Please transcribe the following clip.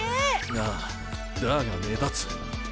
ああだが目立つ。